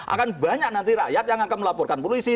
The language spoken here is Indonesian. akan banyak nanti rakyat yang akan melaporkan polisi